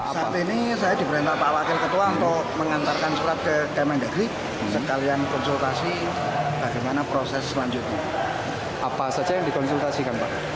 apa saja yang dikonsultasikan pak